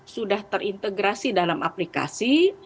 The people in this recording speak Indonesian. sudah terintegrasi dalam aplikasi